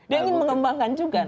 ini mengembangkan juga